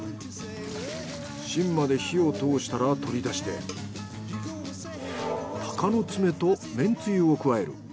芯まで火を通したら取り出して鷹の爪とめんつゆを加える。